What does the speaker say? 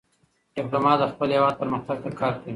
ډيپلومات د خپل هېواد پرمختګ ته کار کوي.